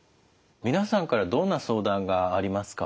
皆さんからどんな相談がありますか？